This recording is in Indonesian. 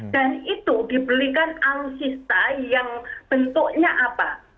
dan itu dibelikan alun sista yang bentuknya apa